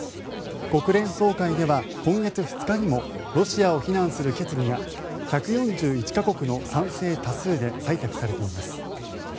国連総会では今月２日にもロシアを非難する決議が１４１か国の賛成多数で採択されています。